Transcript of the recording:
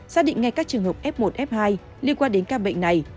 xác định ngay các trường hợp f một f hai liên quan đến ca bệnh này